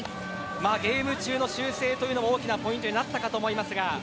ゲーム中の修正が大きなポイントになったと思いますが。